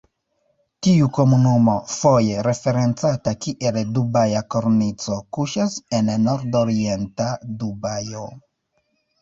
Tiu komunumo, foje referencata kiel Dubaja Kornico, kuŝas en nordorienta Dubajo.